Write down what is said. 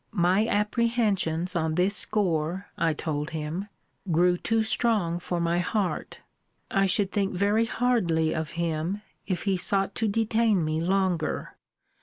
My apprehensions on this score, I told him, grew too strong for my heart. I should think very hardly of him, if he sought to detain me longer.